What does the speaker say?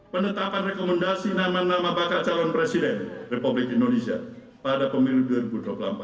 penetapan rekomendasi nama nama bakal calon presiden republik indonesia pada pemilu dua ribu dua puluh empat